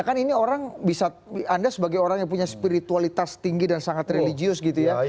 kan ini orang bisa anda sebagai orang yang punya spiritualitas tinggi dan sangat religius gitu ya